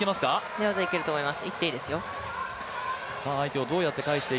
寝技いけると思います。